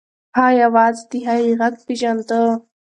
هغه یوازې د هغې غږ پیژانده.